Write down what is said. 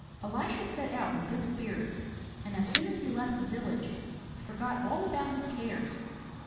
Elisha set out in good spirits; and as soon as he left the village he forgot all about his cares.